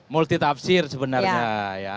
multi tafsir sebenarnya ya